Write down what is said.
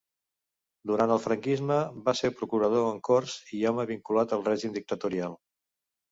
Durant el franquisme va ser Procurador en Corts i home vinculat al règim dictatorial.